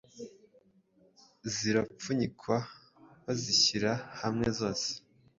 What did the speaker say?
zirapfunyikwa bazishyira hamwe zose